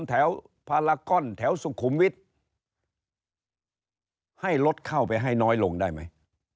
แถวพารากอนแถวสุขุมวิทย์ให้รถเข้าไปให้น้อยลงได้ไหม